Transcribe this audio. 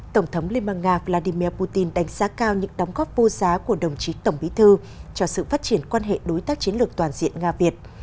tổng thống liên bang nga vladimir putin đánh giá cao những đóng góp vô giá của đồng chí tổng bí thư cho sự phát triển quan hệ đối tác chiến lược toàn diện nga việt